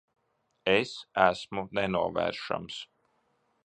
Es esmu nenovēršams.